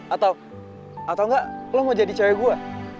atau atau enggak lo mau jadi cewek gue